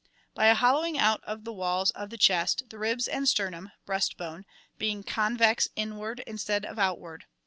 57,B), by a hollowing out of the walls of the chest, the ribs and sternum (breast bone) being convex inward instead of outward.